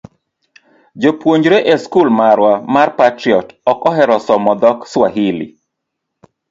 jopuonjre e skul marwa mar Patriot ok ohero somo dhok Swahili.